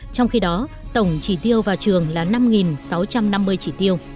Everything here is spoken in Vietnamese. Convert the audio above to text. trong khi đó tổng chỉ tiêu vào trường là năm sáu trăm năm mươi chỉ tiêu